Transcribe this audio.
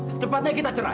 secepatnya kita cerai